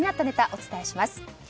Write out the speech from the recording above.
ネタお伝えします。